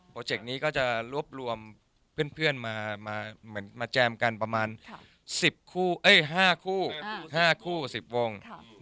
เจกต์นี้ก็จะรวบรวมเพื่อนมาแจมกันประมาณ๕คู่๕คู่๑๐วง